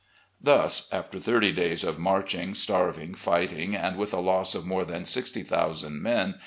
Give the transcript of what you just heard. '" Thus after thirty days of marching, starving, fighting, and with a loss of more than sixty thousand men.